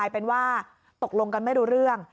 เป็นว่าตกลงกันไม่รู้เรื่อง